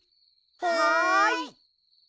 はい。